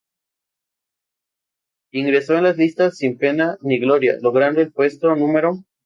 Ingresó en las listas sin pena ni gloria, logrando el puesto no.